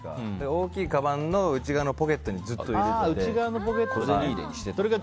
大きいかばんの内側のポケットにずっと入れてて。